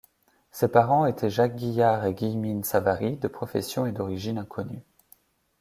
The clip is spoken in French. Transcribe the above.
Ses parents étaient Jacques Guillard et Guillemyne Savary, de profession et d'origine inconnues.